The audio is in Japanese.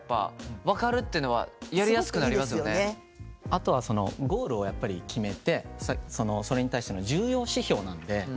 あとはそのゴールをやっぱり決めてそれに対しての重要指標なんで。